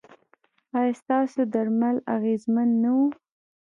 ایا ستاسو درمل اغیزمن نه وو؟